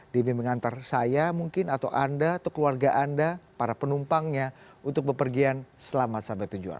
demi mengantar saya mungkin atau anda atau keluarga anda para penumpangnya untuk bepergian selamat sampai tujuan